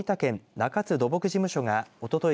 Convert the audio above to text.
中津土木事務所がおととい